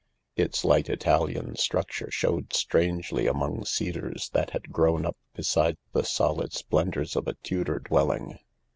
Its light Italian structure showed strangely among cedars that had grown up beside the solid splendours of a Tudor dwelling.